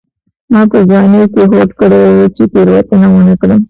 ما په ځوانۍ کې هوډ کړی و چې تېروتنه ونه کړم.